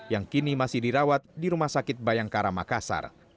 yang kini masih dirawat di rumah sakit bayangkara makassar